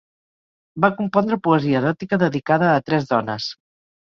Va compondre poesia eròtica dedicada a tres dones.